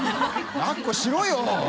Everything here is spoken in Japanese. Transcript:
抱っこしろよ！